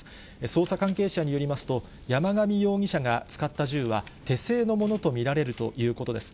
捜査関係者によりますと、山上容疑者が使った銃は、手製のものと見られるということです。